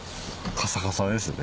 カサカサですね。